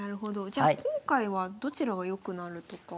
じゃ今回はどちらが良くなるとか。